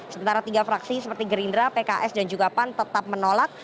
sementara tiga fraksi seperti gerindra pks dan juga pan tetap menolak